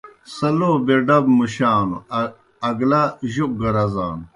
سہ لو بے ڈب مُشانوْ اگلہ جوک گہ رزانوْ۔